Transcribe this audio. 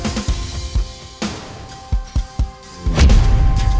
ya ampun ya ampun